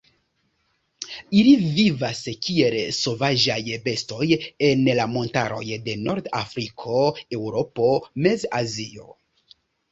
Ili vivas kiel sovaĝaj bestoj en la montaroj de Nord-Afriko, Eŭropo, Mez-Azio.